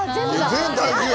全体重や！